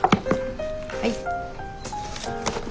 はい。